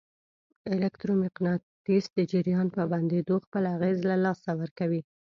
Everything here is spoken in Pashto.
الکترو مقناطیس د جریان په بندېدو خپل اغېز له لاسه ورکوي.